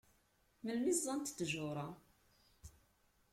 Melmi ẓẓant ttjur-a?